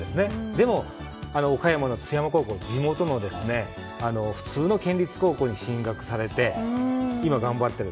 でも、岡山の津山高校地元の普通の県立高校に進学されて今、頑張っている。